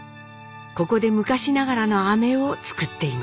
ここで昔ながらのあめを作っています。